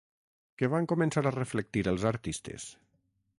Què van començar a reflectir els artistes?